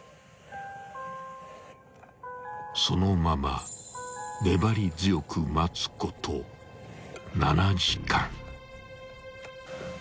［そのまま粘り強く待つこと７時間］